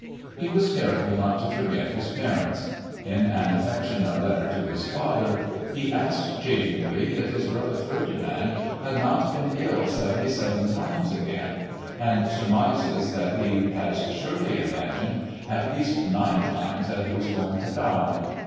He was careful not to forget his parents. In an affectionate letter to his father he asks, chaffingly, if his brother, Ferdinand, "has not been ill seventy seven times again" and surmises that he has surely imagined at least nine times that he was going to die.